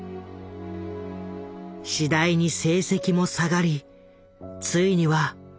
次第に成績も下がりついには落第した。